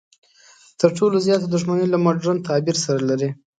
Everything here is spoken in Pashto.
تر ټولو زیاته دښمني له مډرن تعبیر سره لري.